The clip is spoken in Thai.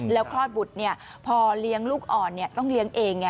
แล้วคลอดบุตรพอเลี้ยงลูกอ่อนต้องเลี้ยงเอง